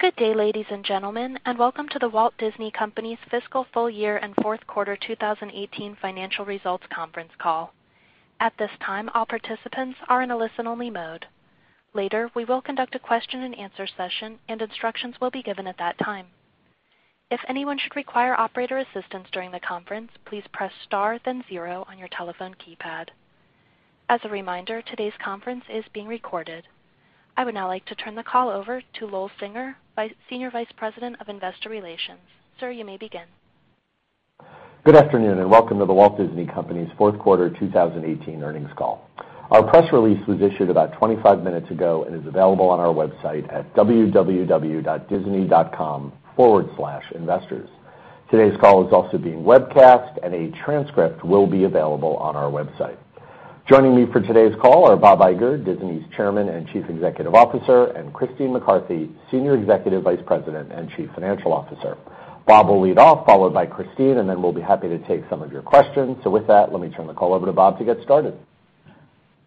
Good day, ladies and gentlemen, welcome to The Walt Disney Company's fiscal full year and fourth quarter 2018 financial results conference call. At this time, all participants are in a listen-only mode. Later, we will conduct a question and answer session and instructions will be given at that time. If anyone should require operator assistance during the conference, please press star then zero on your telephone keypad. As a reminder, today's conference is being recorded. I would now like to turn the call over to Lowell Singer, Senior Vice President of Investor Relations. Sir, you may begin. Good afternoon, welcome to The Walt Disney Company's fourth quarter 2018 earnings call. Our press release was issued about 25 minutes ago and is available on our website at www.disney.com/investors. Today's call is also being webcast and a transcript will be available on our website. Joining me for today's call are Bob Iger, Disney's Chairman and Chief Executive Officer, and Christine McCarthy, Senior Executive Vice President and Chief Financial Officer. Bob will lead off, followed by Christine, then we'll be happy to take some of your questions. With that, let me turn the call over to Bob to get started.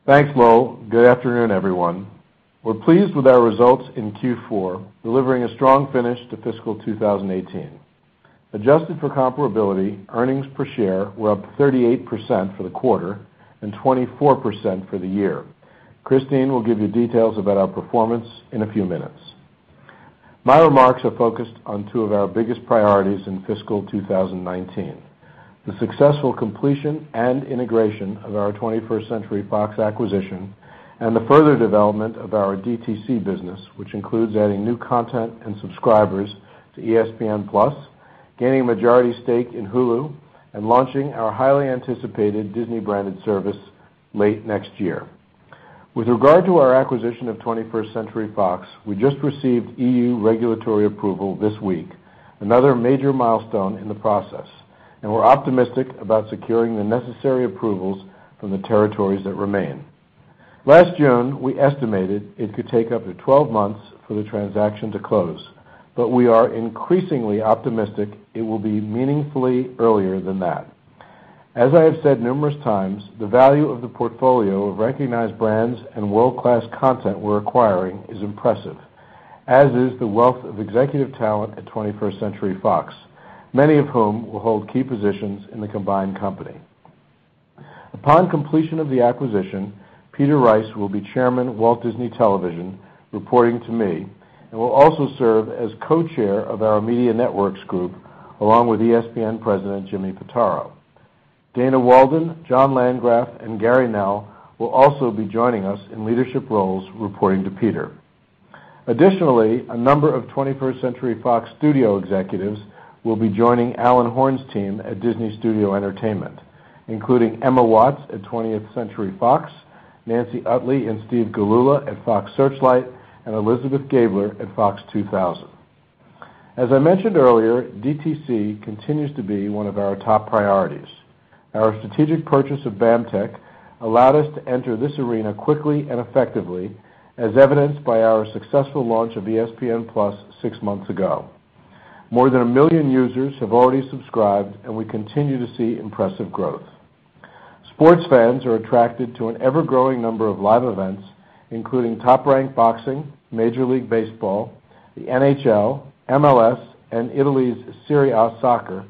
Thanks, Lowell. Good afternoon, everyone. We're pleased with our results in Q4, delivering a strong finish to fiscal 2018. Adjusted for comparability, earnings per share were up 38% for the quarter and 24% for the year. Christine will give you details about our performance in a few minutes. My remarks are focused on two of our biggest priorities in fiscal 2019, the successful completion and integration of our 21st Century Fox acquisition, the further development of our DTC business, which includes adding new content and subscribers to ESPN+, gaining a majority stake in Hulu, and launching our highly anticipated Disney branded service late next year. With regard to our acquisition of 21st Century Fox, we just received EU regulatory approval this week, another major milestone in the process, we're optimistic about securing the necessary approvals from the territories that remain. Last June, we estimated it could take up to 12 months for the transaction to close, we are increasingly optimistic it will be meaningfully earlier than that. I have said numerous times, the value of the portfolio of recognized brands and world-class content we're acquiring is impressive, as is the wealth of executive talent at 21st Century Fox, many of whom will hold key positions in the combined company. Upon completion of the acquisition, Peter Rice will be chairman of Walt Disney Television, reporting to me, will also serve as co-chair of our Media Networks group, along with ESPN President Jimmy Pitaro. Dana Walden, Jon Landgraf, and Gary Knell will also be joining us in leadership roles, reporting to Peter. Additionally, a number of 21st Century Fox studio executives will be joining Alan Horn's team at Disney Studio Entertainment, including Emma Watts at 20th Century Fox, Nancy Utley and Steve Gilula at Fox Searchlight, and Elizabeth Gabler at Fox 2000. As I mentioned earlier, DTC continues to be one of our top priorities. Our strategic purchase of BAMTech allowed us to enter this arena quickly and effectively, as evidenced by our successful launch of ESPN+ six months ago. More than a million users have already subscribed, and we continue to see impressive growth. Sports fans are attracted to an ever-growing number of live events, including top-ranked boxing, Major League Baseball, the NHL, MLS, and Italy's Serie A Soccer,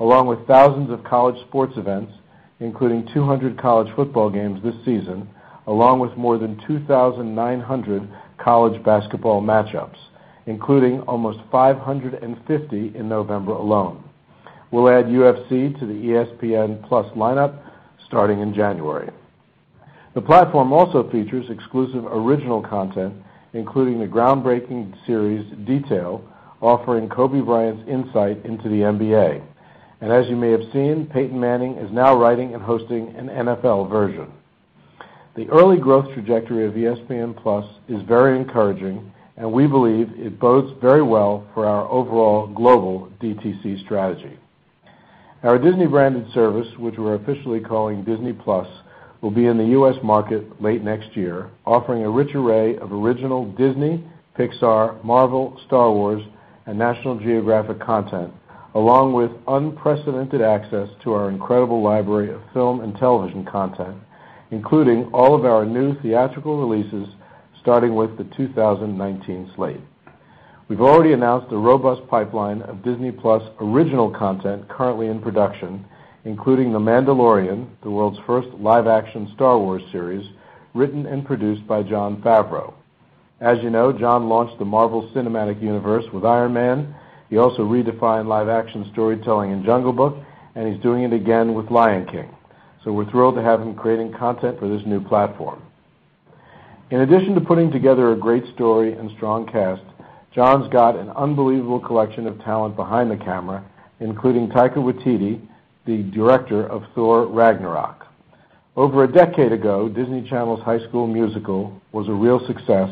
along with thousands of college sports events, including 200 college football games this season, along with more than 2,900 college basketball match-ups, including almost 550 in November alone. We'll add UFC to the ESPN+ lineup starting in January. The platform also features exclusive original content, including the groundbreaking series, Detail, offering Kobe Bryant's insight into the NBA. As you may have seen, Peyton Manning is now writing and hosting an NFL version. The early growth trajectory of ESPN+ is very encouraging, and we believe it bodes very well for our overall global DTC strategy. Our Disney branded service, which we're officially calling Disney+, will be in the U.S. market late next year, offering a rich array of original Disney, Pixar, Marvel, Star Wars, and National Geographic content, along with unprecedented access to our incredible library of film and television content, including all of our new theatrical releases, starting with the 2019 slate. We've already announced a robust pipeline of Disney+ original content currently in production, including The Mandalorian, the world's first live-action Star Wars series, written and produced by Jon Favreau. As you know, Jon launched the Marvel Cinematic Universe with Iron Man. He also redefined live-action storytelling in The Jungle Book, and he's doing it again with The Lion King. We're thrilled to have him creating content for this new platform. In addition to putting together a great story and strong cast, Jon's got an unbelievable collection of talent behind the camera, including Taika Waititi, the director of Thor: Ragnarok. Over a decade ago, Disney Channel's High School Musical was a real success,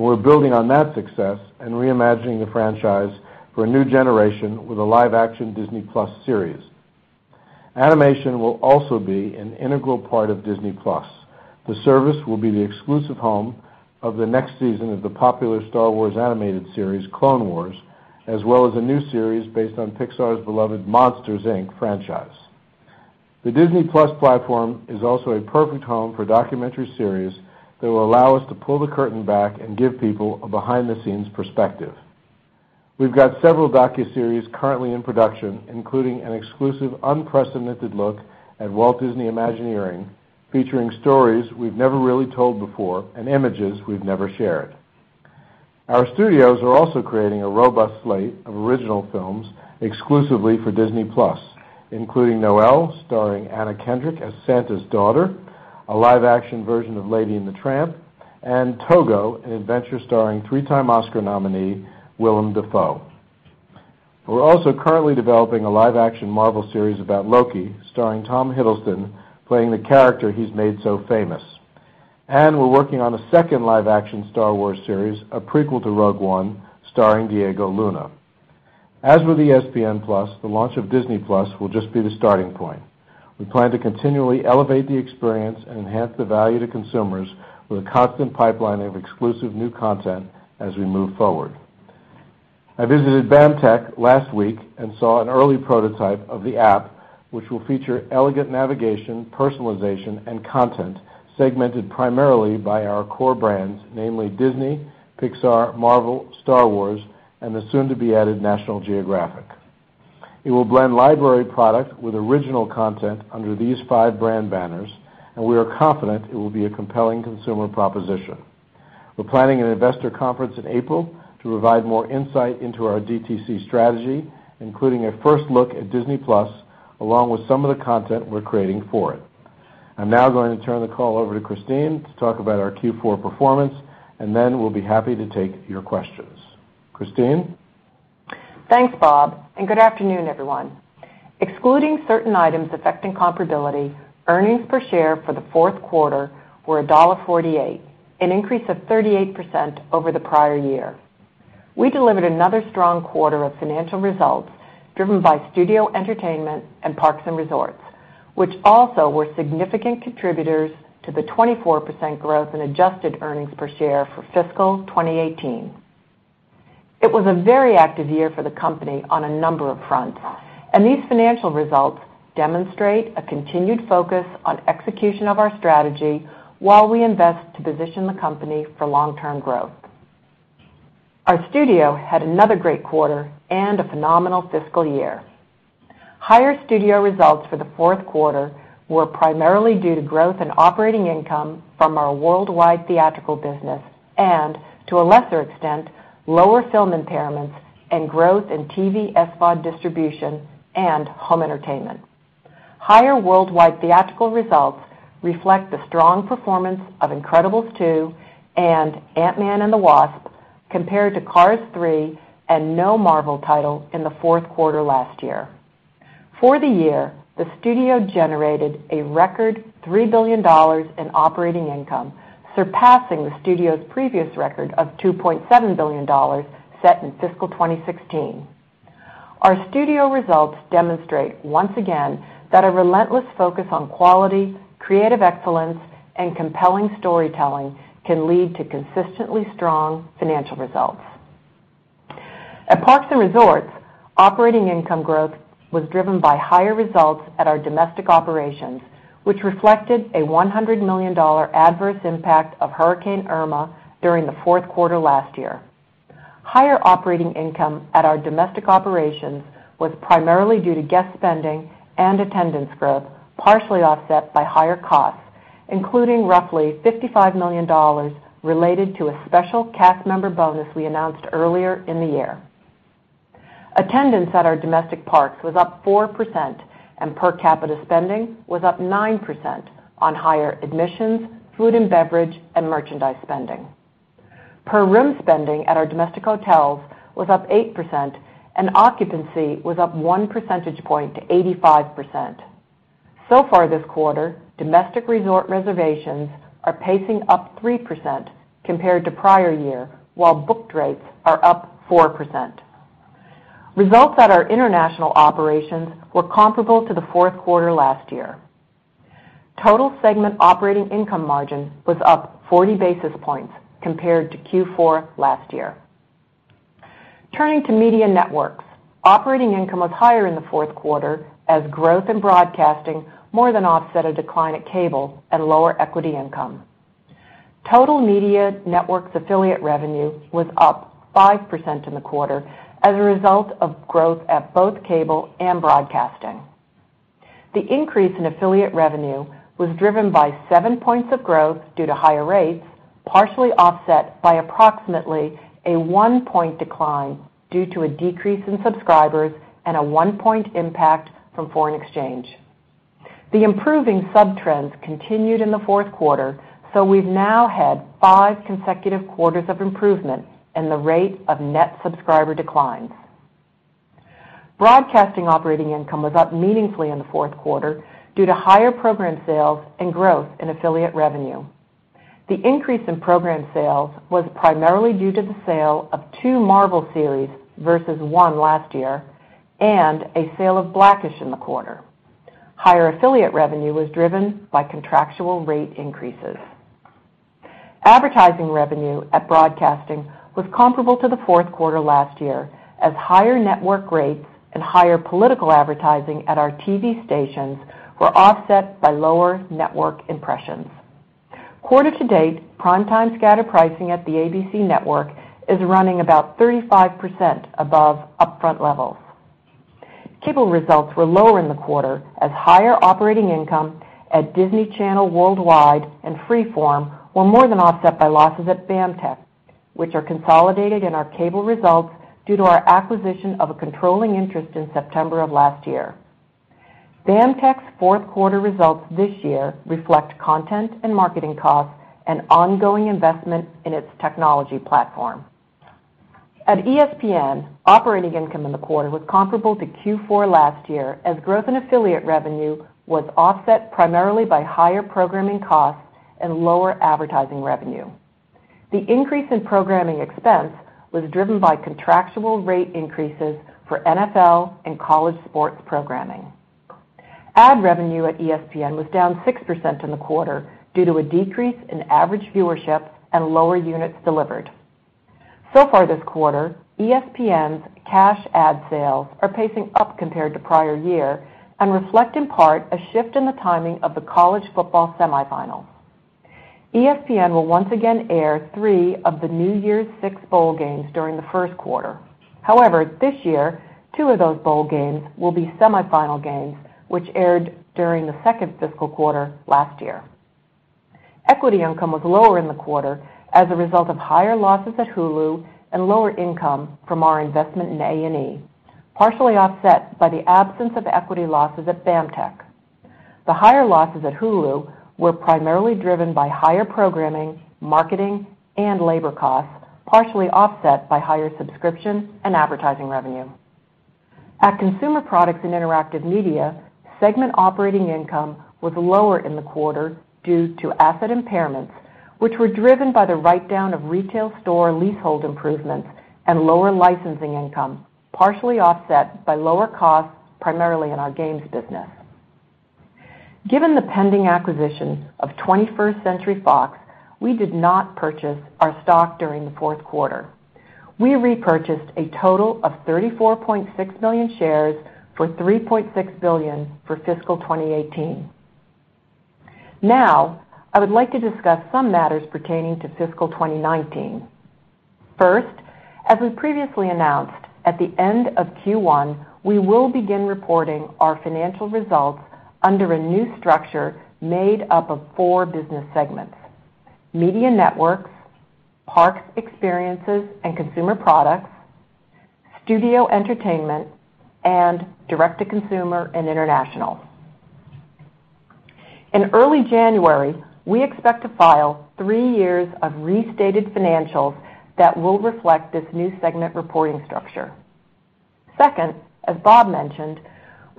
and we're building on that success and reimagining the franchise for a new generation with a live-action Disney+ series. Animation will also be an integral part of Disney+. The service will be the exclusive home of the next season of the popular Star Wars animated series, Clone Wars, as well as a new series based on Pixar's beloved "Monsters, Inc." franchise. The Disney+ platform is also a perfect home for documentary series that will allow us to pull the curtain back and give people a behind-the-scenes perspective. We've got several docuseries currently in production, including an exclusive, unprecedented look at Walt Disney Imagineering, featuring stories we've never really told before and images we've never shared. Our studios are also creating a robust slate of original films exclusively for Disney+, including "Noelle," starring Anna Kendrick as Santa's daughter, a live-action version of "Lady and the Tramp," and "Togo," an adventure starring three-time Oscar nominee Willem Dafoe. We're also currently developing a live-action Marvel series about Loki, starring Tom Hiddleston playing the character he's made so famous. We're working on a second live-action Star Wars series, a prequel to "Rogue One," starring Diego Luna. As with ESPN+, the launch of Disney+ will just be the starting point. We plan to continually elevate the experience and enhance the value to consumers with a constant pipeline of exclusive new content as we move forward. I visited BAMTech last week and saw an early prototype of the app, which will feature elegant navigation, personalization, and content segmented primarily by our core brands, namely Disney, Pixar, Marvel, Star Wars, and the soon-to-be-added National Geographic. It will blend library product with original content under these five brand banners, and we are confident it will be a compelling consumer proposition. We're planning an investor conference in April to provide more insight into our DTC strategy, including a first look at Disney+, along with some of the content we're creating for it. I'm now going to turn the call over to Christine to talk about our Q4 performance. Then we'll be happy to take your questions. Christine? Thanks, Bob. Good afternoon, everyone. Excluding certain items affecting comparability, earnings per share for the fourth quarter were $1.48, an increase of 38% over the prior year. We delivered another strong quarter of financial results driven by Studio Entertainment and Parks and Resorts, which also were significant contributors to the 24% growth in adjusted earnings per share for fiscal 2018. It was a very active year for the company on a number of fronts. These financial results demonstrate a continued focus on execution of our strategy while we invest to position the company for long-term growth. Our studio had another great quarter. A phenomenal fiscal year. Higher studio results for the fourth quarter were primarily due to growth in operating income from our worldwide theatrical business. To a lesser extent, lower film impairments and growth in TV SVOD distribution and home entertainment. Higher worldwide theatrical results reflect the strong performance of "Incredibles 2" and "Ant-Man and the Wasp" compared to "Cars 3." No Marvel title in the fourth quarter last year. For the year, the studio generated a record $3 billion in operating income, surpassing the studio's previous record of $2.7 billion set in fiscal 2016. Our studio results demonstrate once again that a relentless focus on quality, creative excellence, and compelling storytelling can lead to consistently strong financial results. At Parks and Resorts, operating income growth was driven by higher results at our domestic operations, which reflected a $100 million adverse impact of Hurricane Irma during the fourth quarter last year. Higher operating income at our domestic operations was primarily due to guest spending and attendance growth, partially offset by higher costs, including roughly $55 million related to a special cast member bonus we announced earlier in the year. Attendance at our domestic parks was up 4%, and per capita spending was up 9% on higher admissions, food and beverage, and merchandise spending. Per room spending at our domestic hotels was up 8%, and occupancy was up one percentage point to 85%. Far this quarter, domestic resort reservations are pacing up 3% compared to prior year, while booked rates are up 4%. Results at our international operations were comparable to the fourth quarter last year. Total segment operating income margin was up 40 basis points compared to Q4 last year. Turning to Media Networks, operating income was higher in the fourth quarter as growth in broadcasting more than offset a decline at cable and lower equity income. Total Media Networks affiliate revenue was up 5% in the quarter as a result of growth at both cable and broadcasting. The increase in affiliate revenue was driven by seven points of growth due to higher rates, partially offset by approximately a one-point decline due to a decrease in subscribers and a one-point impact from foreign exchange. The improving sub-trends continued in the fourth quarter, we've now had five consecutive quarters of improvement in the rate of net subscriber declines. Broadcasting operating income was up meaningfully in the fourth quarter due to higher program sales and growth in affiliate revenue. The increase in program sales was primarily due to the sale of two Marvel series versus one last year and a sale of black-ish in the quarter. Higher affiliate revenue was driven by contractual rate increases. Advertising revenue at broadcasting was comparable to the fourth quarter last year, as higher network rates and higher political advertising at our TV stations were offset by lower network impressions. Quarter to date, primetime scatter pricing at the ABC network is running about 35% above upfront levels. Cable results were lower in the quarter as higher operating income at Disney Channel Worldwide and Freeform were more than offset by losses at BAMTech, which are consolidated in our cable results due to our acquisition of a controlling interest in September of last year. BAMTech's fourth quarter results this year reflect content and marketing costs and ongoing investment in its technology platform. At ESPN, operating income in the quarter was comparable to Q4 last year as growth in affiliate revenue was offset primarily by higher programming costs and lower advertising revenue. The increase in programming expense was driven by contractual rate increases for NFL and college sports programming. Ad revenue at ESPN was down 6% in the quarter due to a decrease in average viewership and lower units delivered. Far this quarter, ESPN's cash ad sales are pacing up compared to prior year and reflect in part a shift in the timing of the college football semifinals. ESPN will once again air three of the New Year's six bowl games during the first quarter. This year, two of those bowl games will be semifinal games, which aired during the second fiscal quarter last year. Equity income was lower in the quarter as a result of higher losses at Hulu and lower income from our investment in A&E, partially offset by the absence of equity losses at BAMTech. The higher losses at Hulu were primarily driven by higher programming, marketing, and labor costs, partially offset by higher subscription and advertising revenue. At Consumer Products and Interactive Media, segment operating income was lower in the quarter due to asset impairments, which were driven by the write-down of retail store leasehold improvements and lower licensing income, partially offset by lower costs primarily in our games business. Given the pending acquisition of 21st Century Fox, we did not purchase our stock during the fourth quarter. We repurchased a total of 34.6 million shares for $3.6 billion for fiscal 2018. I would like to discuss some matters pertaining to fiscal 2019. First, as we previously announced, at the end of Q1, we will begin reporting our financial results under a new structure made up of four business segments: Media Networks, Parks, Experiences, and Consumer Products, Studio Entertainment, and Direct-to-Consumer and International. In early January, we expect to file three years of restated financials that will reflect this new segment reporting structure. Second, as Bob mentioned,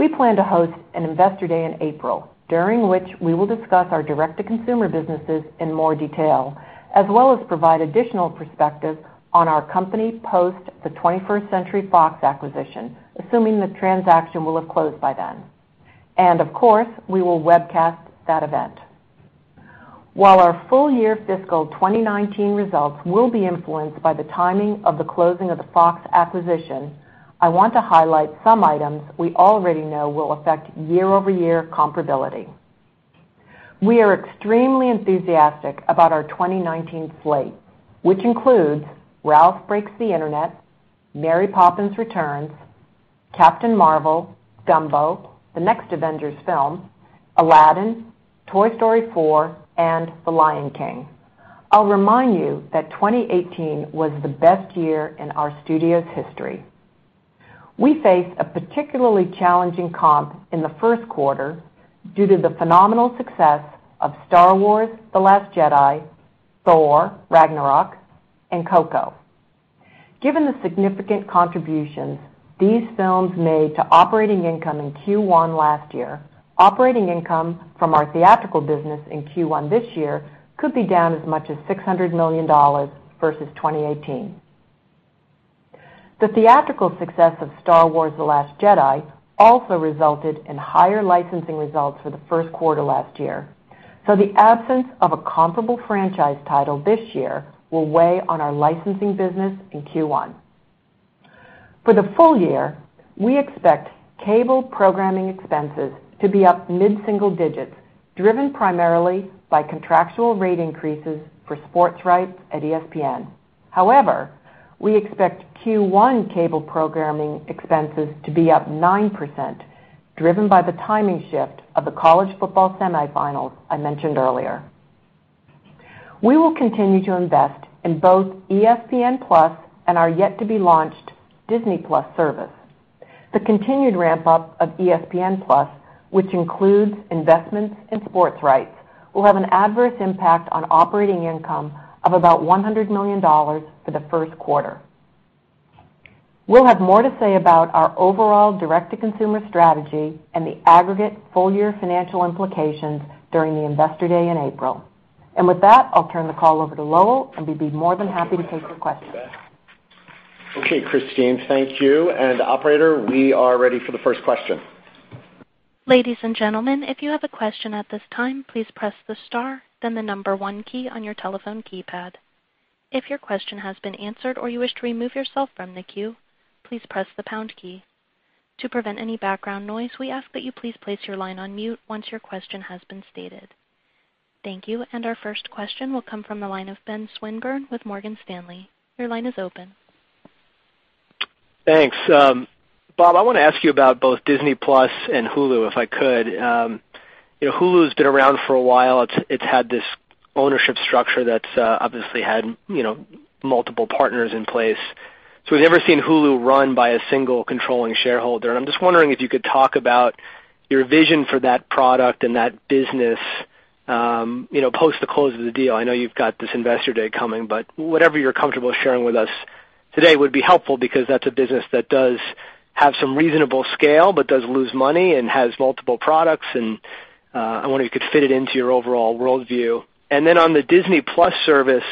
we plan to host an investor day in April, during which we will discuss our direct-to-consumer businesses in more detail, as well as provide additional perspective on our company post the 21st Century Fox acquisition, assuming the transaction will have closed by then. Of course, we will webcast that event. While our full year fiscal 2019 results will be influenced by the timing of the closing of the Fox acquisition, I want to highlight some items we already know will affect year-over-year comparability. We are extremely enthusiastic about our 2019 slate, which includes Ralph Breaks the Internet, Mary Poppins Returns, Captain Marvel, Dumbo, the next Avengers film, Aladdin, Toy Story 4, and The Lion King. I'll remind you that 2018 was the best year in our studio's history. We face a particularly challenging comp in the first quarter due to the phenomenal success of Star Wars: The Last Jedi, Thor: Ragnarok, and Coco. Given the significant contributions these films made to operating income in Q1 last year, operating income from our theatrical business in Q1 this year could be down as much as $600 million versus 2018. The theatrical success of Star Wars: The Last Jedi also resulted in higher licensing results for the first quarter last year. The absence of a comparable franchise title this year will weigh on our licensing business in Q1. For the full year, we expect cable programming expenses to be up mid-single digits, driven primarily by contractual rate increases for sports rights at ESPN. However, we expect Q1 cable programming expenses to be up 9%, driven by the timing shift of the college football semifinals I mentioned earlier. We will continue to invest in both ESPN+ and our yet-to-be-launched Disney+ service. The continued ramp-up of ESPN+, which includes investments in sports rights, will have an adverse impact on operating income of about $100 million for the first quarter. We'll have more to say about our overall direct-to-consumer strategy and the aggregate full-year financial implications during the investor day in April. With that, I'll turn the call over to Lowell, and we'd be more than happy to take your questions. Okay, Christine, thank you. Operator, we are ready for the first question. Ladies and gentlemen, if you have a question at this time, please press the star then the number 1 key on your telephone keypad. If your question has been answered or you wish to remove yourself from the queue, please press the pound key. To prevent any background noise, we ask that you please place your line on mute once your question has been stated. Thank you. Our first question will come from the line of Benjamin Swinburne with Morgan Stanley. Your line is open. Thanks. Bob, I want to ask you about both Disney+ and Hulu, if I could. Hulu's been around for a while. It's had this ownership structure that's obviously had multiple partners in place. We've never seen Hulu run by a single controlling shareholder, and I'm just wondering if you could talk about your vision for that product and that business post the close of the deal. I know you've got this investor day coming, but whatever you're comfortable sharing with us today would be helpful because that's a business that does have some reasonable scale but does lose money and has multiple products and I wonder if you could fit it into your overall worldview. Then on the Disney+ service,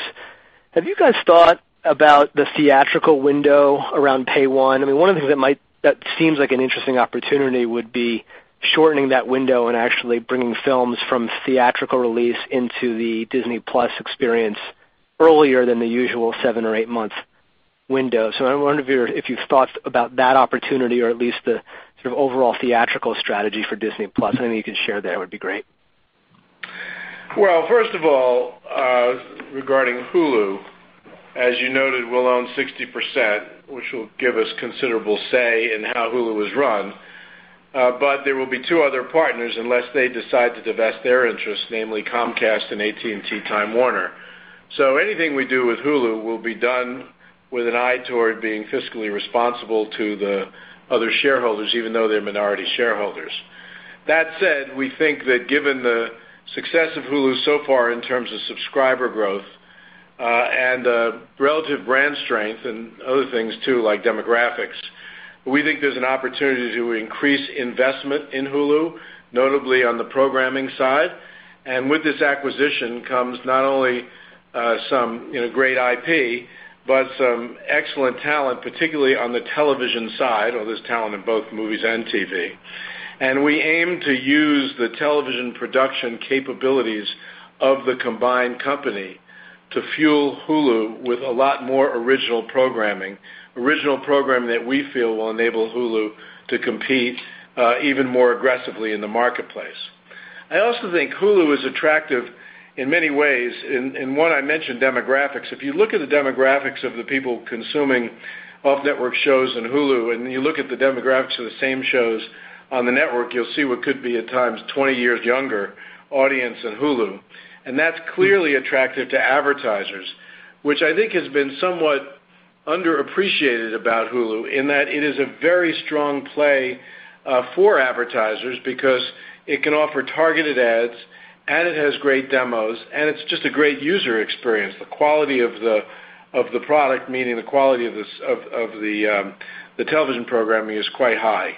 have you guys thought about the theatrical window around Pay-One? One of the things that seems like an interesting opportunity would be shortening that window and actually bringing films from theatrical release into the Disney+ experience earlier than the usual seven or eight months window. I wonder if you've thought about that opportunity or at least the sort of overall theatrical strategy for Disney+. Anything you can share there would be great. Well, first of all, regarding Hulu, as you noted, we'll own 60%, which will give us considerable say in how Hulu is run. There will be two other partners unless they decide to divest their interest, namely Comcast and AT&T Time Warner. Anything we do with Hulu will be done with an eye toward being fiscally responsible to the other shareholders, even though they're minority shareholders. That said, we think that given the success of Hulu so far in terms of subscriber growth, and relative brand strength and other things too, like demographics, we think there's an opportunity to increase investment in Hulu, notably on the programming side. With this acquisition comes not only some great IP, but some excellent talent, particularly on the television side. Well, there's talent in both movies and TV. We aim to use the television production capabilities of the combined company to fuel Hulu with a lot more original programming, original programming that we feel will enable Hulu to compete even more aggressively in the marketplace. I also think Hulu is attractive in many ways and one, I mentioned demographics. If you look at the demographics of the people consuming off-network shows on Hulu, and you look at the demographics of the same shows on the network, you'll see what could be, at times, 20 years younger audience on Hulu. That's clearly attractive to advertisers, which I think has been somewhat underappreciated about Hulu in that it is a very strong play for advertisers because it can offer targeted ads and it has great demos and it's just a great user experience. The quality of the product, meaning the quality of the television programming is quite high.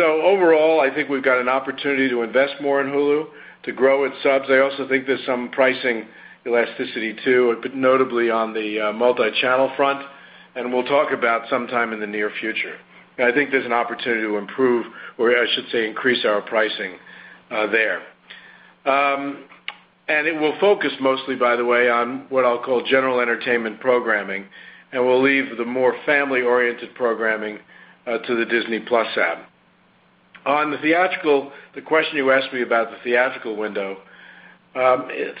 Overall, I think we've got an opportunity to invest more in Hulu to grow its subs. I also think there's some pricing elasticity too, notably on the multi-channel front, and we'll talk about sometime in the near future. I think there's an opportunity to improve, or I should say, increase our pricing there. It will focus mostly, by the way, on what I'll call general entertainment programming, and we'll leave the more family-oriented programming to the Disney+ app. On the theatrical, the question you asked me about the theatrical window,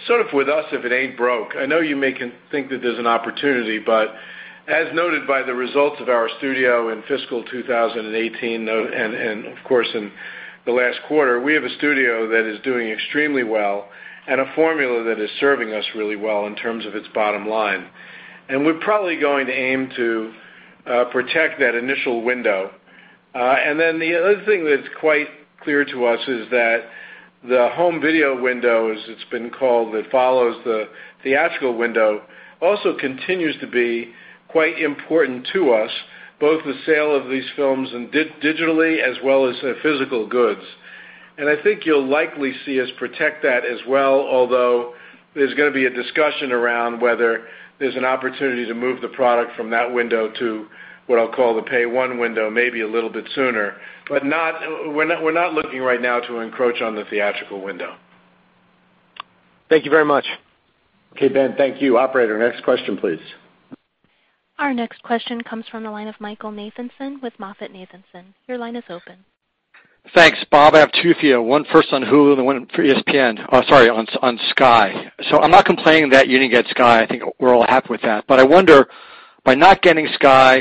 sort of with us if it ain't broke. I know you may think that there's an opportunity, but as noted by the results of our studio in fiscal 2018, and of course, in the last quarter, we have a studio that is doing extremely well and a formula that is serving us really well in terms of its bottom line. We're probably going to aim to protect that initial window. Then the other thing that's quite clear to us is that the home video window, as it's been called, that follows the theatrical window also continues to be quite important to us, both the sale of these films digitally as well as physical goods. I think you'll likely see us protect that as well, although there's going to be a discussion around whether there's an opportunity to move the product from that window to what I'll call the Pay-One window, maybe a little bit sooner. We're not looking right now to encroach on the theatrical window. Thank you very much. Okay, Ben. Thank you. Operator, next question, please. Our next question comes from the line of Michael Nathanson with MoffettNathanson. Your line is open. Thanks, Bob. I have two for you. One first on Hulu and one for ESPN. Sorry, on Sky. I'm not complaining that you didn't get Sky. I think we're all happy with that. I wonder, by not getting Sky,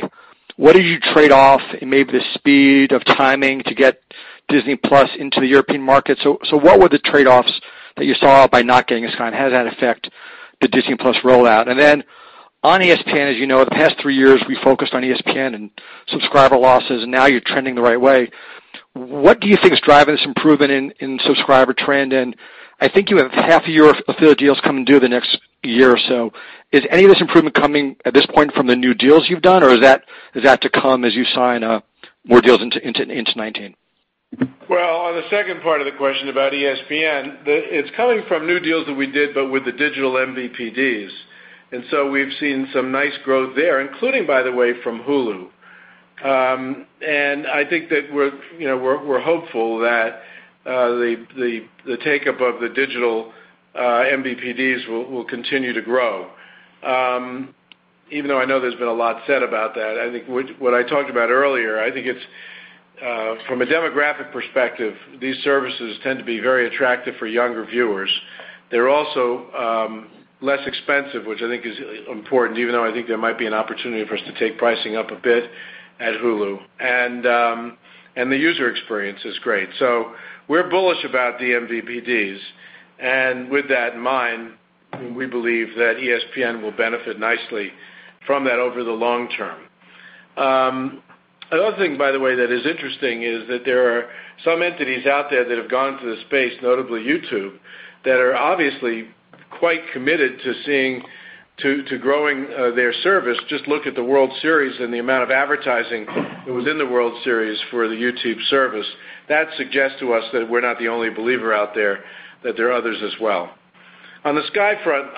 what did you trade off in maybe the speed of timing to get Disney+ into the European market? What were the trade-offs that you saw by not getting Sky, and how did that affect the Disney+ rollout? On ESPN, as you know, the past three years, we focused on ESPN and subscriber losses, and now you're trending the right way. What do you think is driving this improvement in subscriber trend? I think you have half a year of affiliate deals coming due the next year or so. Is any of this improvement coming at this point from the new deals you've done, or is that to come as you sign more deals into 2019? Well, on the second part of the question about ESPN, it's coming from new deals that we did, but with the digital MVPDs. We've seen some nice growth there, including, by the way, from Hulu. I think that we're hopeful that the takeup of the digital MVPDs will continue to grow. Even though I know there's been a lot said about that, I think what I talked about earlier, I think from a demographic perspective, these services tend to be very attractive for younger viewers. They're also less expensive, which I think is important, even though I think there might be an opportunity for us to take pricing up a bit at Hulu. The user experience is great. We're bullish about the MVPDs, and with that in mind, we believe that ESPN will benefit nicely from that over the long term. Another thing, by the way, that is interesting is that there are some entities out there that have gone to the space, notably YouTube, that are obviously quite committed to growing their service. Just look at the World Series and the amount of advertising that was in the World Series for the YouTube service. That suggests to us that we're not the only believer out there, that there are others as well. On the Sky front,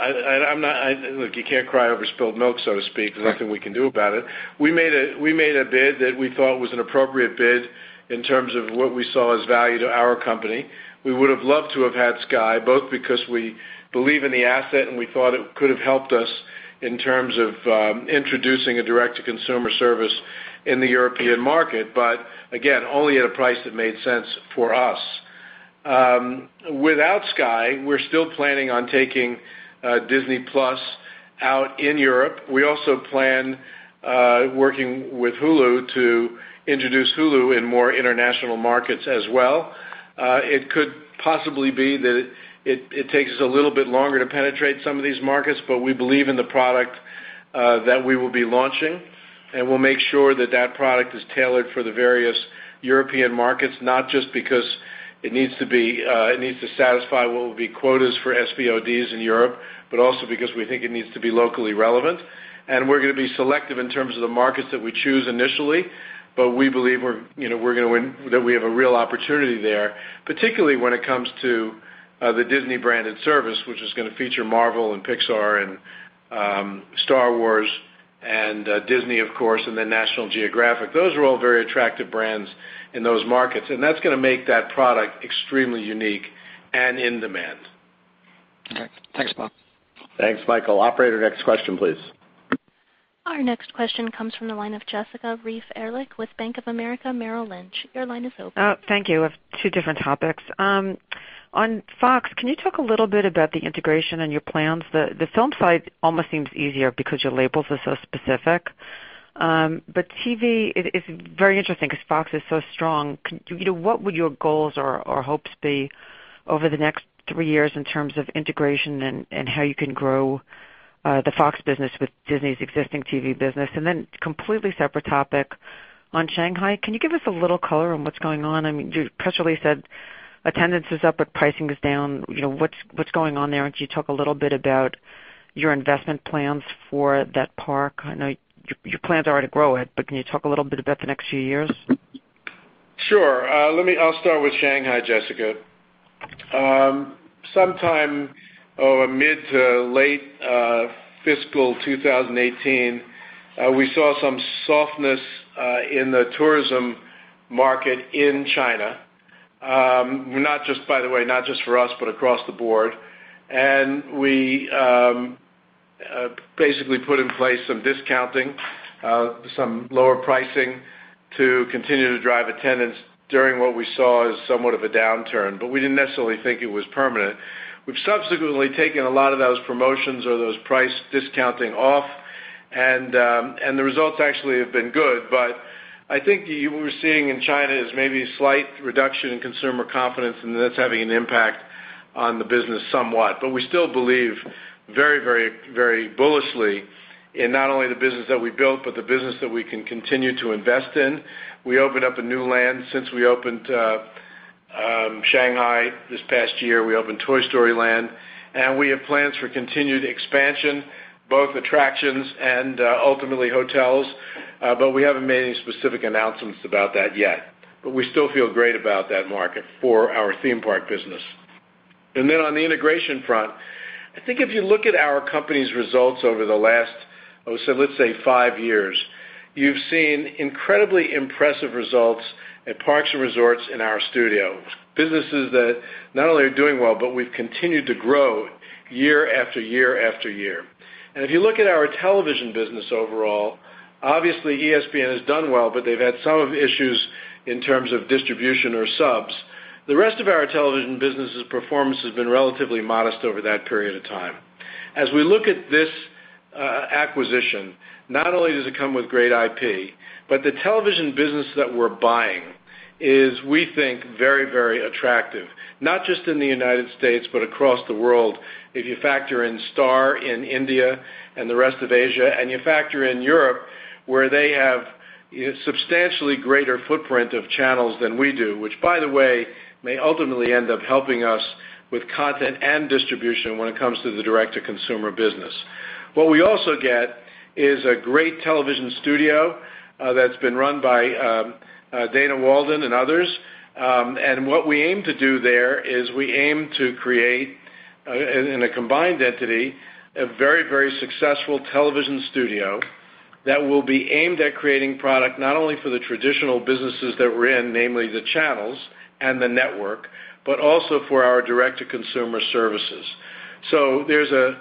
look, you can't cry over spilled milk, so to speak. There's nothing we can do about it. We made a bid that we thought was an appropriate bid in terms of what we saw as value to our company. We would have loved to have had Sky, both because we believe in the asset and we thought it could have helped us in terms of introducing a direct-to-consumer service in the European market, but again, only at a price that made sense for us. Without Sky, we are still planning on taking Disney+ out in Europe. We also plan working with Hulu to introduce Hulu in more international markets as well. It could possibly be that it takes us a little bit longer to penetrate some of these markets, but we believe in the product that we will be launching, and we will make sure that product is tailored for the various European markets, not just because it needs to satisfy what will be quotas for SVODs in Europe, but also because we think it needs to be locally relevant. We are going to be selective in terms of the markets that we choose initially. But we believe that we have a real opportunity there, particularly when it comes to the Disney branded service, which is going to feature Marvel and Pixar and Star Wars and Disney, of course, and then National Geographic. Those are all very attractive brands in those markets, and that is going to make that product extremely unique and in demand. Okay. Thanks, Bob. Thanks, Michael. Operator, next question, please. Our next question comes from the line of Jessica Reif Ehrlich with Bank of America Merrill Lynch. Your line is open. Thank you. I have two different topics. On Fox, can you talk a little bit about the integration and your plans? The film side almost seems easier because your labels are so specific. TV is very interesting because Fox is so strong. What would your goals or hopes be over the next three years in terms of integration and how you can grow the Fox business with Disney's existing TV business? Completely separate topic on Shanghai. Can you give us a little color on what's going on? I mean, you casually said attendance is up, but pricing is down. What's going on there? Can you talk a little bit about your investment plans for that park? I know your plans are to grow it, but can you talk a little bit about the next few years? Sure. I'll start with Shanghai, Jessica. Sometime over mid to late fiscal 2018, we saw some softness in the tourism market in China. By the way, not just for us, but across the board. We basically put in place some discounting, some lower pricing to continue to drive attendance during what we saw as somewhat of a downturn, but we didn't necessarily think it was permanent. We've subsequently taken a lot of those promotions or those price discounting off, and the results actually have been good. I think what we're seeing in China is maybe a slight reduction in consumer confidence, and that's having an impact on the business somewhat. We still believe very bullishly in not only the business that we built, but the business that we can continue to invest in. We opened up a new land since we opened Shanghai this past year. We opened Toy Story Land, and we have plans for continued expansion, both attractions and ultimately hotels, but we haven't made any specific announcements about that yet. We still feel great about that market for our theme park business. On the integration front, I think if you look at our company's results over the last, let's say, five years, you've seen incredibly impressive results at Parks and Resorts in our studio. Businesses that not only are doing well, but we've continued to grow year after year. If you look at our television business overall, obviously ESPN has done well, but they've had some issues in terms of distribution or subs. The rest of our television business's performance has been relatively modest over that period of time. As we look at this acquisition, not only does it come with great IP, but the television business that we're buying is, we think, very attractive, not just in the U.S., but across the world. If you factor in Star India and the rest of Asia, and you factor in Europe, where they have substantially greater footprint of channels than we do, which, by the way, may ultimately end up helping us with content and distribution when it comes to the Direct-to-Consumer business. What we also get is a great television studio that's been run by Dana Walden and others. What we aim to do there is we aim to create, in a combined entity, a very successful television studio that will be aimed at creating product not only for the traditional businesses that we're in, namely the channels and the network, but also for our Direct-to-Consumer services. There's a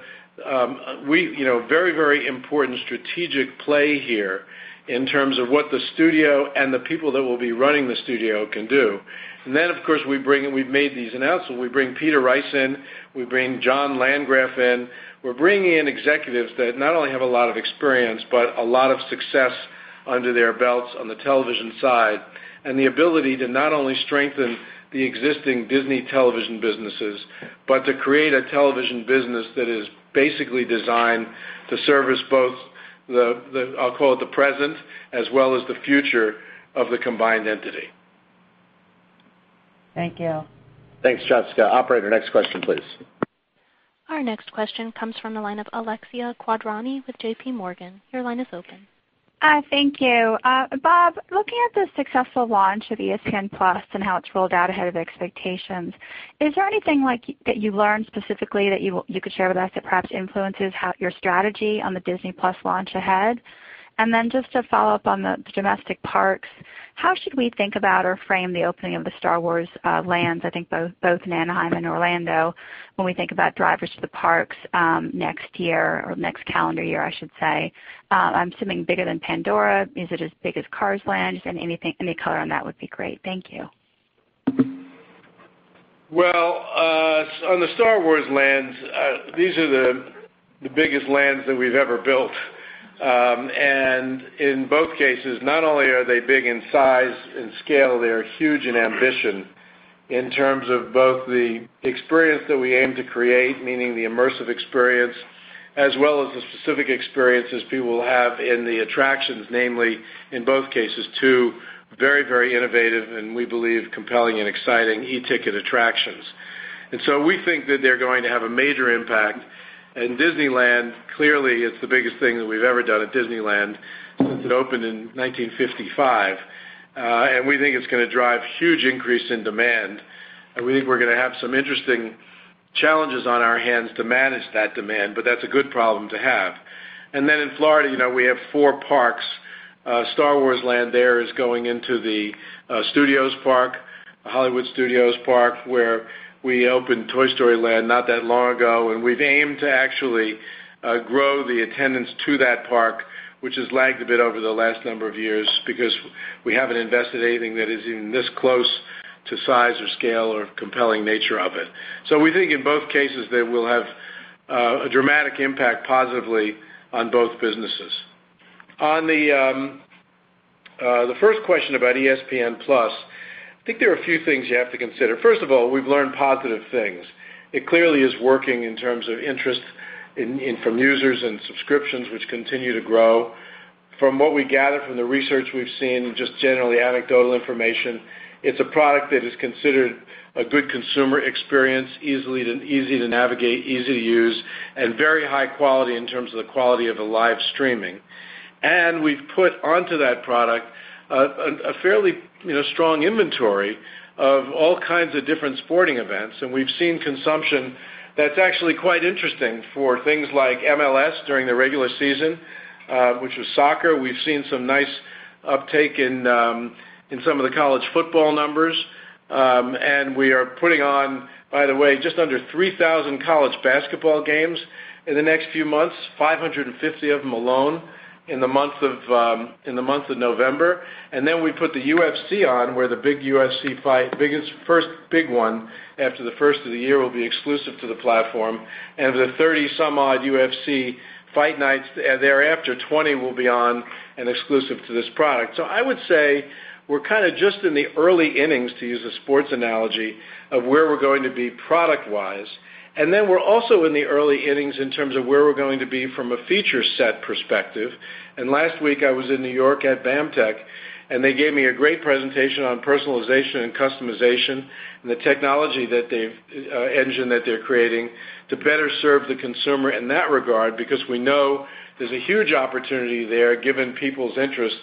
very important strategic play here in terms of what the studio and the people that will be running the studio can do. Then, of course, we've made these announcements. We bring Peter Rice in, we bring Jon Landgraf in. We're bringing in executives that not only have a lot of experience, but a lot of success under their belts on the television side, and the ability to not only strengthen the existing Disney television businesses, but to create a television business that is basically designed to service both the, I'll call it the present, as well as the future of the combined entity. Thank you. Thanks, Jessica. Operator, next question, please. Our next question comes from the line of Alexia Quadrani with JPMorgan. Your line is open. Thank you. Bob, looking at the successful launch of ESPN+ and how it's rolled out ahead of expectations, is there anything that you've learned specifically that you could share with us that perhaps influences your strategy on the Disney+ launch ahead? Just to follow up on the domestic parks, how should we think about or frame the opening of the Star Wars lands, I think both in Anaheim and Orlando, when we think about drivers to the parks next year or next calendar year, I should say? I'm assuming bigger than Pandora. Is it as big as Cars Land? Just any color on that would be great. Thank you. Well, on the Star Wars lands, these are the biggest lands that we've ever built. In both cases, not only are they big in size and scale, they are huge in ambition in terms of both the experience that we aim to create, meaning the immersive experience, as well as the specific experiences people will have in the attractions, namely, in both cases, two very innovative and, we believe, compelling and exciting E-ticket attractions. We think that they're going to have a major impact. In Disneyland, clearly, it's the biggest thing that we've ever done at Disneyland since it opened in 1955. We think it's going to drive huge increase in demand, and we think we're going to have some interesting challenges on our hands to manage that demand, but that's a good problem to have. In Florida, we have four parks. Star Wars Land there is going into the Studios park, Hollywood Studios park, where we opened Toy Story Land not that long ago, we've aimed to actually grow the attendance to that park, which has lagged a bit over the last number of years because we haven't invested anything that is even this close to size or scale or compelling nature of it. We think in both cases they will have a dramatic impact positively on both businesses. On the first question about ESPN+, I think there are a few things you have to consider. First of all, we've learned positive things. It clearly is working in terms of interest from users and subscriptions, which continue to grow. From what we gather from the research we've seen, just generally anecdotal information, it's a product that is considered a good consumer experience, easy to navigate, easy to use, and very high quality in terms of the quality of the live streaming. We've put onto that product a fairly strong inventory of all kinds of different sporting events, we've seen consumption that's actually quite interesting for things like MLS during the regular season, which was soccer. We've seen some nice uptake in some of the college football numbers. We are putting on, by the way, just under 3,000 college basketball games in the next few months, 550 of them alone in the month of November. Then we put the UFC on, where the first big UFC fight, after the first of the year will be exclusive to the platform. Of the 30 some odd UFC fight nights thereafter, 20 will be on and exclusive to this product. I would say we're just in the early innings, to use a sports analogy, of where we're going to be product-wise. Then we're also in the early innings in terms of where we're going to be from a feature set perspective. Last week I was in New York at BAMTech, they gave me a great presentation on personalization and customization and the technology engine that they're creating to better serve the consumer in that regard, because we know there's a huge opportunity there given people's interests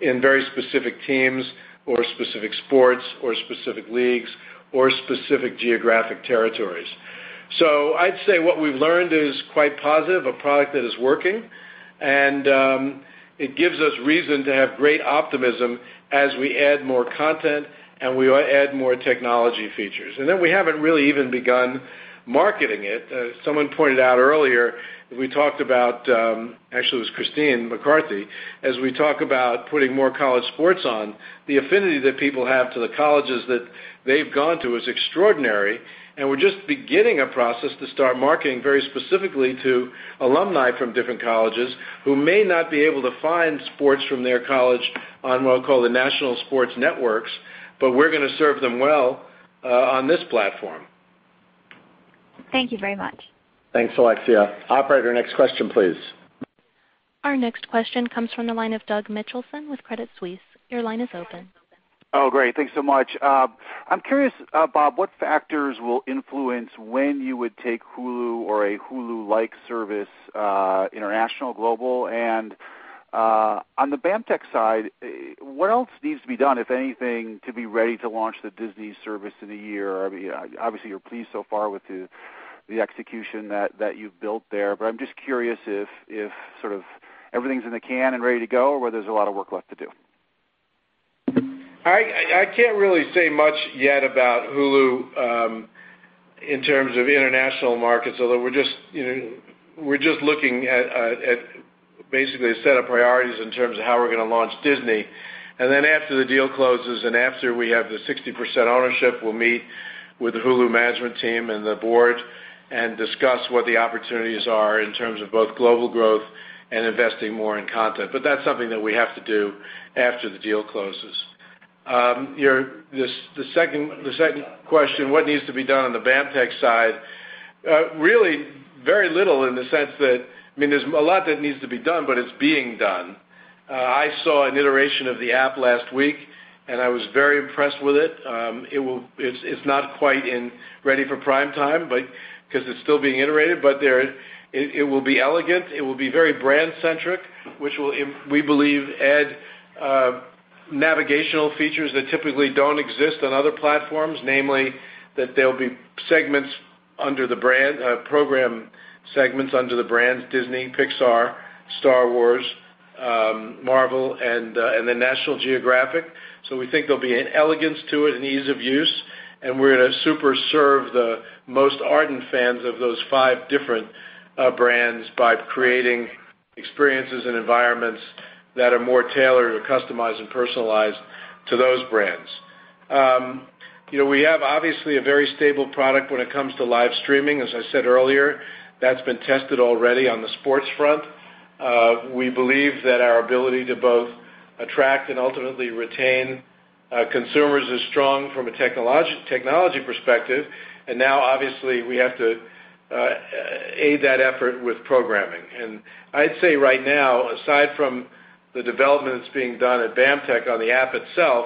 in very specific teams or specific sports or specific leagues or specific geographic territories. I'd say what we've learned is quite positive, a product that is working, it gives us reason to have great optimism as we add more content and we add more technology features. Then we haven't really even begun marketing it. Someone pointed out earlier that we talked about, actually, it was Christine McCarthy, as we talk about putting more college sports on, the affinity that people have to the colleges that they've gone to is extraordinary, we're just beginning a process to start marketing very specifically to alumni from different colleges who may not be able to find sports from their college on what I'll call the national sports networks, we're going to serve them well on this platform. Thank you very much. Thanks, Alexia. Operator, next question, please. Our next question comes from the line of Douglas Mitchelson with Credit Suisse. Your line is open. Great. Thanks so much. I'm curious, Bob, what factors will influence when you would take Hulu or a Hulu-like service international global? On the BAMTech side, what else needs to be done, if anything, to be ready to launch the Disney service in a year? Obviously, you're pleased so far with the execution that you've built there, I'm just curious if everything's in the can and ready to go or whether there's a lot of work left to do. I can't really say much yet about Hulu in terms of international markets, although we're just looking at basically a set of priorities in terms of how we're going to launch Disney. After the deal closes and after we have the 60% ownership, we'll meet with the Hulu management team and the board and discuss what the opportunities are in terms of both global growth and investing more in content. That's something that we have to do after the deal closes. The second question, what needs to be done on the BAMTech side? Really very little in the sense that, there's a lot that needs to be done, but it's being done. I saw an iteration of the app last week, I was very impressed with it. It's not quite ready for prime time because it's still being iterated, it will be elegant. It will be very brand-centric, which will, we believe, add navigational features that typically don't exist on other platforms, namely that there'll be program segments under the brands Disney, Pixar, Star Wars, Marvel, and then National Geographic. We think there'll be an elegance to it and ease of use, and we're going to superserve the most ardent fans of those five different brands by creating experiences and environments that are more tailored or customized and personalized to those brands. We have obviously a very stable product when it comes to live streaming, as I said earlier. That's been tested already on the sports front. We believe that our ability to both attract and ultimately retain consumers is strong from a technology perspective. Now obviously we have to aid that effort with programming. I'd say right now, aside from the development that's being done at BAMTech on the app itself,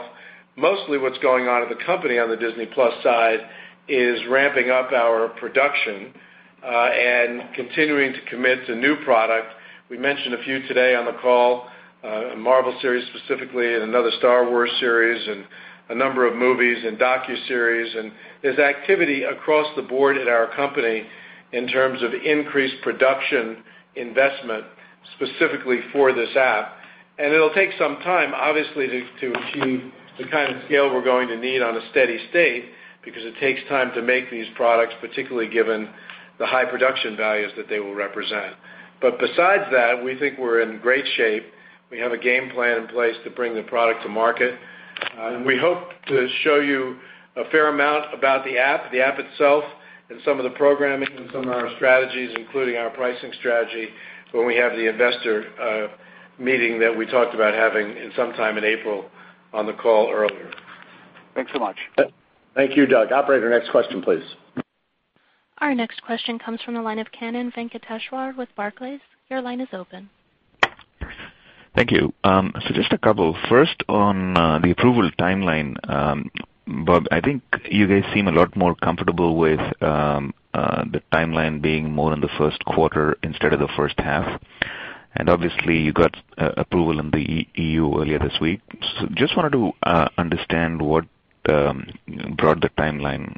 mostly what's going on in the company on the Disney+ side is ramping up our production and continuing to commit to new product. We mentioned a few today on the call, a Marvel series specifically and another Star Wars series and a number of movies and docuseries. There's activity across the board at our company in terms of increased production investment specifically for this app. It'll take some time, obviously, to achieve the kind of scale we're going to need on a steady state because it takes time to make these products, particularly given the high production values that they will represent. Besides that, we think we're in great shape. We have a game plan in place to bring the product to market. We hope to show you a fair amount about the app itself and some of the programming and some of our strategies, including our pricing strategy, when we have the investor meeting that we talked about having sometime in April on the call earlier. Thanks so much. Thank you, Doug. Operator, next question, please. Our next question comes from the line of Kannan Venkateshwar with Barclays. Your line is open. Thank you. Just a couple. First, on the approval timeline Bob, I think you guys seem a lot more comfortable with the timeline being more in the first quarter instead of the first half. Obviously you got approval in the EU earlier this week. Just wanted to understand what brought the timeline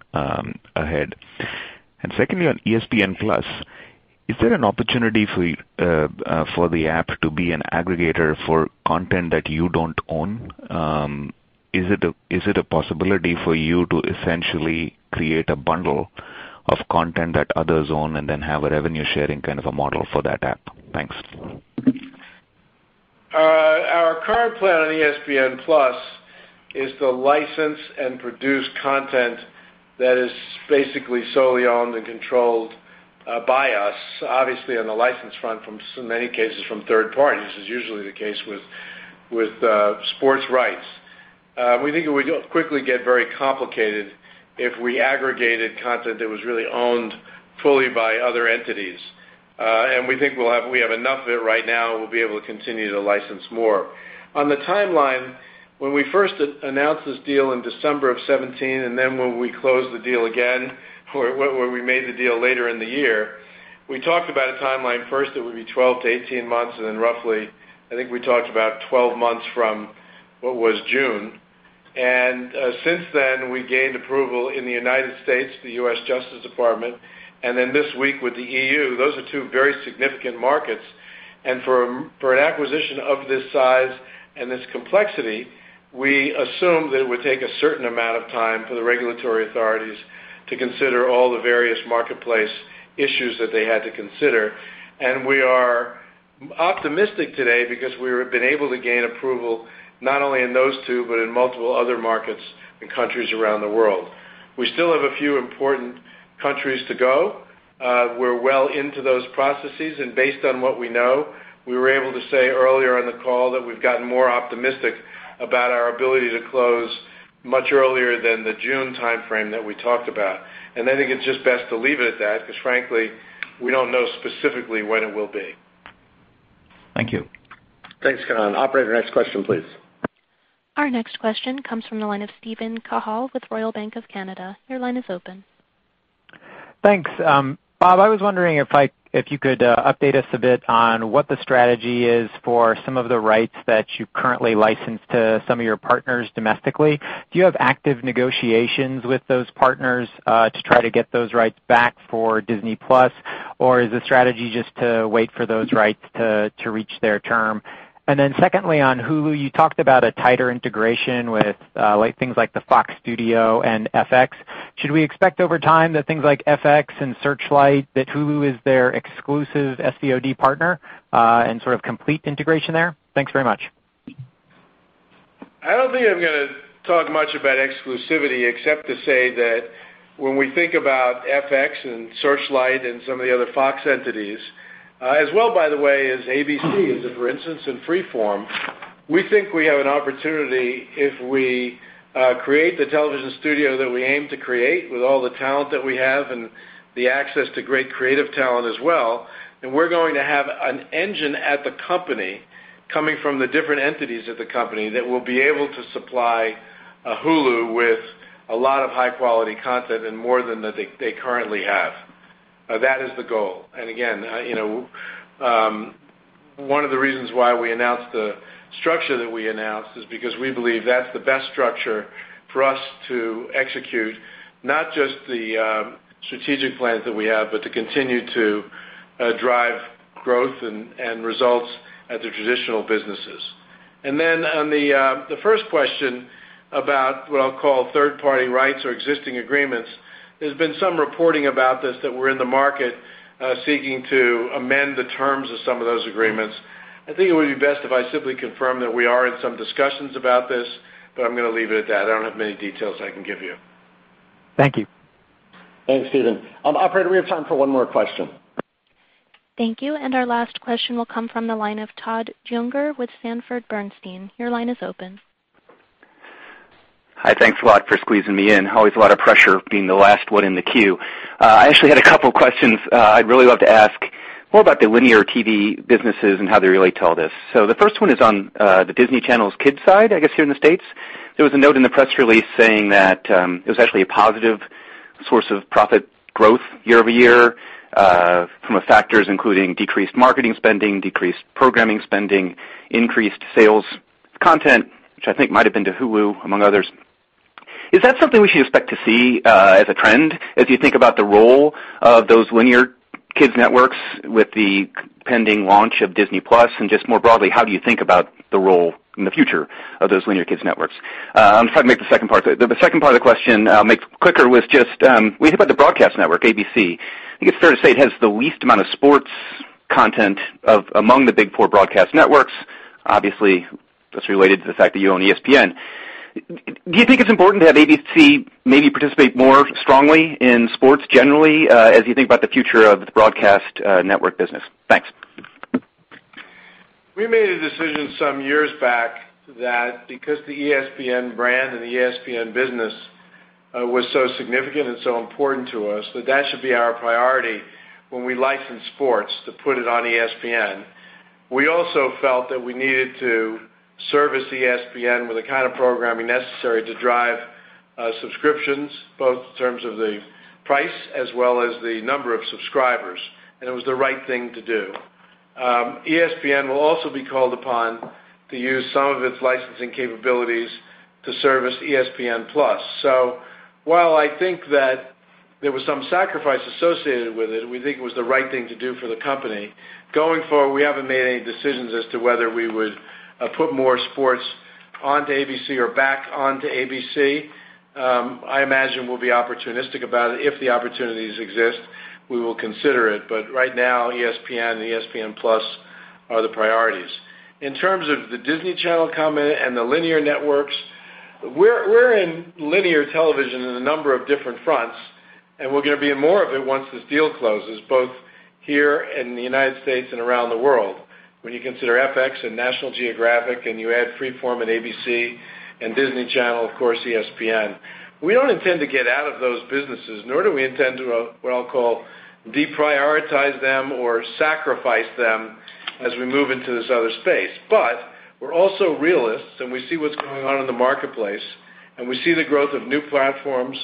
ahead. Secondly, on ESPN+, is there an opportunity for the app to be an aggregator for content that you don't own? Is it a possibility for you to essentially create a bundle of content that others own and then have a revenue sharing kind of a model for that app? Thanks. Our current plan on ESPN+ is to license and produce content that is basically solely owned and controlled by us, obviously on the license front from so many cases from third parties is usually the case with sports rights. We think it would quickly get very complicated if we aggregated content that was really owned fully by other entities. We think we have enough of it right now, we'll be able to continue to license more. On the timeline, when we first announced this deal in December of 2017 and then when we closed the deal again, where we made the deal later in the year, we talked about a timeline first that would be 12-18 months and then roughly, I think we talked about 12 months from what was June. Since then we gained approval in the U.S., the U.S. Justice Department, and then this week with the EU. Those are two very significant markets. For an acquisition of this size and this complexity, we assumed that it would take a certain amount of time for the regulatory authorities to consider all the various marketplace issues that they had to consider. We are optimistic today because we've been able to gain approval not only in those two, but in multiple other markets in countries around the world. We still have a few important countries to go. We're well into those processes, and based on what we know, we were able to say earlier on the call that we've gotten more optimistic about our ability to close much earlier than the June timeframe that we talked about. I think it's just best to leave it at that because frankly, we don't know specifically when it will be. Thank you. Thanks, Kannan. Operator, next question, please. Our next question comes from the line of Steven Cahall with Royal Bank of Canada. Your line is open. Thanks. Bob, I was wondering if you could update us a bit on what the strategy is for some of the rights that you currently license to some of your partners domestically. Do you have active negotiations with those partners to try to get those rights back for Disney+? Is the strategy just to wait for those rights to reach their term? Secondly, on Hulu, you talked about a tighter integration with things like the Fox Studio and FX. Should we expect over time that things like FX and Searchlight, that Hulu is their exclusive SVOD partner, and sort of complete integration there? Thanks very much. I don't think I'm going to talk much about exclusivity except to say that when we think about FX and Searchlight and some of the other Fox entities, as well, by the way, as ABC, as for instance in Freeform. We think we have an opportunity if we create the television studio that we aim to create with all the talent that we have and the access to great creative talent as well, then we're going to have an engine at the company coming from the different entities of the company that will be able to supply Hulu with a lot of high-quality content and more than they currently have. That is the goal. Again, one of the reasons why we announced the structure that we announced is because we believe that's the best structure for us to execute not just the strategic plans that we have, but to continue to drive growth and results at the traditional businesses. On the first question about what I'll call third-party rights or existing agreements, there's been some reporting about this that we're in the market seeking to amend the terms of some of those agreements. I think it would be best if I simply confirm that we are in some discussions about this, I'm going to leave it at that. I don't have many details I can give you. Thank you. Thanks, Steven. Operator, we have time for one more question. Thank you. Our last question will come from the line of Todd Juenger with Sanford C. Bernstein. Your line is open. Hi. Thanks a lot for squeezing me in. Always a lot of pressure being the last one in the queue. I actually had a couple questions I'd really love to ask more about the linear TV businesses and how they relate to all this. The first one is on the Disney Channel's kids side, I guess here in the U.S. There was a note in the press release saying that it was actually a positive source of profit growth year-over-year from factors including decreased marketing spending, decreased programming spending, increased sales content, which I think might have been to Hulu, among others. Is that something we should expect to see as a trend as you think about the role of those linear kids networks with the pending launch of Disney+? Just more broadly, how do you think about the role in the future of those linear kids networks? I'm trying to make the second part of the question quicker was just when you think about the broadcast network, ABC, I think it's fair to say it has the least amount of sports content among the big four broadcast networks. Obviously, that's related to the fact that you own ESPN. Do you think it's important to have ABC maybe participate more strongly in sports generally as you think about the future of the broadcast network business? Thanks. We made a decision some years back that because the ESPN brand and the ESPN business was so significant and so important to us, that that should be our priority when we license sports to put it on ESPN. We also felt that we needed to service ESPN with the kind of programming necessary to drive subscriptions both in terms of the price as well as the number of subscribers and it was the right thing to do. ESPN will also be called upon to use some of its licensing capabilities to service ESPN+. While I think that there was some sacrifice associated with it, we think it was the right thing to do for the company. Going forward, we haven't made any decisions as to whether we would put more sports onto ABC or back onto ABC. I imagine we'll be opportunistic about it. If the opportunities exist, we will consider it. Right now, ESPN and ESPN+ are the priorities. In terms of the Disney Channel comment and the linear networks, we're in linear television in a number of different fronts, and we're going to be in more of it once this deal closes, both here in the U.S. and around the world. When you consider FX and National Geographic and you add Freeform and ABC and Disney Channel, of course, ESPN. We don't intend to get out of those businesses, nor do we intend to, what I'll call deprioritize them or sacrifice them as we move into this other space. We're also realists, and we see what's going on in the marketplace, and we see the growth of new platforms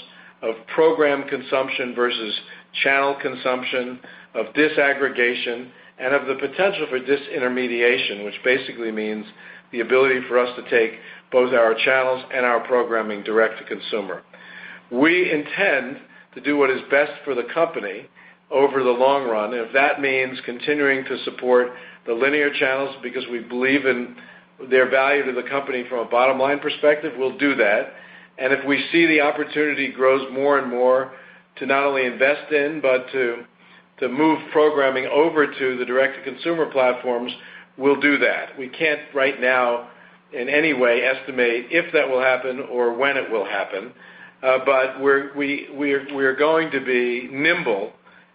of program consumption versus channel consumption, of disaggregation, and of the potential for disintermediation, which basically means the ability for us to take both our channels and our programming Direct-to-Consumer. We intend to do what is best for the company over the long run. If that means continuing to support the linear channels because we believe in their value to the company from a bottom-line perspective, we'll do that. If we see the opportunity grows more and more to not only invest in but to move programming over to the Direct-to-Consumer platforms, we'll do that. We can't right now, in any way, estimate if that will happen or when it will happen. We're going to be nimble,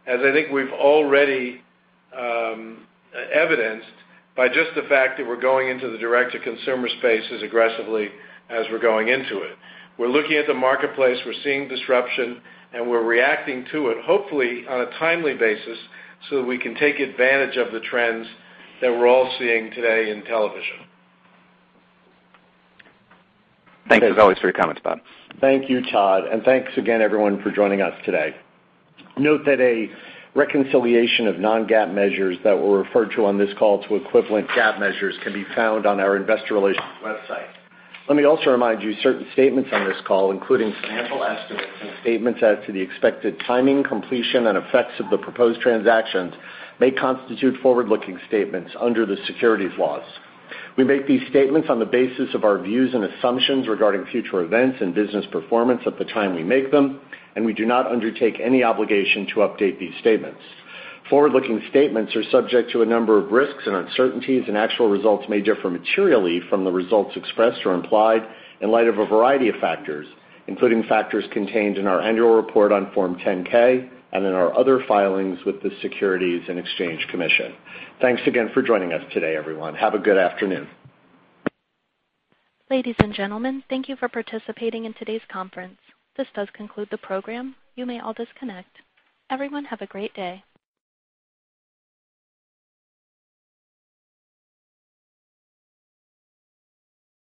as I think we've already evidenced by just the fact that we're going into the direct-to-consumer space as aggressively as we're going into it. We're looking at the marketplace, we're seeing disruption, and we're reacting to it, hopefully on a timely basis, so that we can take advantage of the trends that we're all seeing today in television. Thanks as always for your comments, Bob. Thank you, Todd and thanks again everyone for joining us today. Note that a reconciliation of non-GAAP measures that were referred to on this call to equivalent GAAP measures can be found on our investor relations website. Let me also remind you certain statements on this call including financial estimates and statements as to the expected timing, completion, and effects of the proposed transactions may constitute forward-looking statements under the securities laws. We make these statements on the basis of our views and assumptions regarding future events and business performance at the time we make them and we do not undertake any obligation to update these statements. Forward-looking statements are subject to a number of risks and uncertainties and actual results may differ materially from the results expressed or implied in light of a variety of factors, including factors contained in our annual report on Form 10-K and in our other filings with the Securities and Exchange Commission. Thanks again for joining us today everyone. Have a good afternoon. Ladies and gentlemen, thank you for participating in today's conference. This does conclude the program. You may all disconnect. Everyone have a great day.